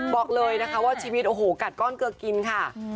บอกเลยนะคะว่าชีวิตโอ้โหกัดก้อนเกลือกินค่ะ